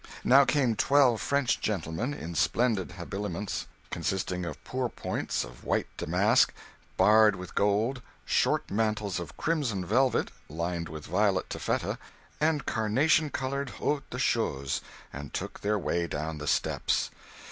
Now came twelve French gentlemen, in splendid habiliments, consisting of pourpoints of white damask barred with gold, short mantles of crimson velvet lined with violet taffeta, and carnation coloured hauts de chausses, and took their way down the steps.